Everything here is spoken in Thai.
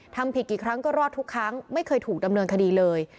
ทำผิดกี่ครั้งก็รอดทุกครั้งไม่เคยถูกดำเนินคดีเลย